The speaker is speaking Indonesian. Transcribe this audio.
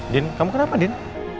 din kamu kenapa din